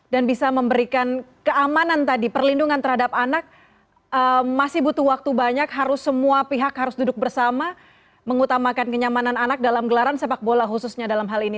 dan bisa memberikan keamanan tadi perlindungan terhadap anak masih butuh waktu banyak harus semua pihak harus duduk bersama mengutamakan kenyamanan anak dalam gelaran sepak bola khususnya dalam hal ini